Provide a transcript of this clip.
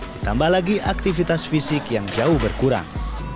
ditambah lagi aktivitas fisik yang jauh berkurang